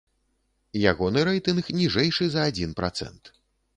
Ягоны рэйтынг ніжэйшы за адзін працэнт.